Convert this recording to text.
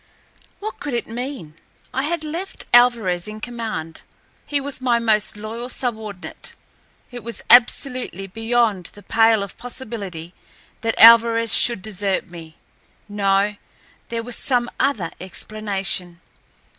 What could it mean? I had left Alvarez in command. He was my most loyal subordinate. It was absolutely beyond the pale of possibility that Alvarez should desert me. No, there was some other explanation.